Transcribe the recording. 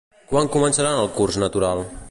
Quan començaran el curs natural?